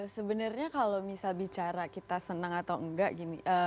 sebenarnya kalau misal bicara kita senang atau enggak gini